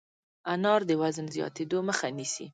انار د وزن زیاتېدو مخه نیسي.